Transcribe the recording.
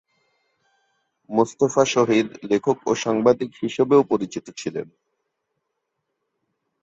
মোস্তফা শহীদ লেখক ও সাংবাদিক হিসেবেও পরিচিত ছিলেন।